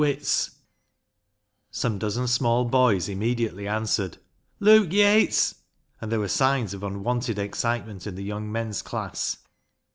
8 BECKSIDE LIGHTS Some dozen small boys immediately answered, "Luke Yates"; and there were signs of unwonted excitement in the young men's class.